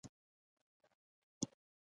نو د تاریخ د اعتبار ستونزه راپورته کېږي.